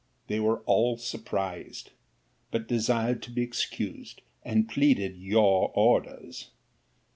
'They were all surprised; but desired to be excused, and pleaded your orders.